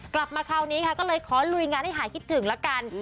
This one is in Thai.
กลับมาคราวนี้ค่ะก็เลยขอลุยงานให้หายคิดถึงละกัน